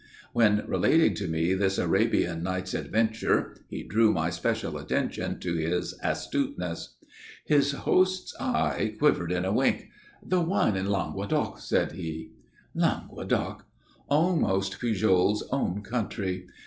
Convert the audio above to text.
When relating to me this Arabian Nights' adventure, he drew my special attention to his astuteness. His host's eye quivered in a wink. "The one in Languedoc," said he. Languedoc! Almost Pujol's own country!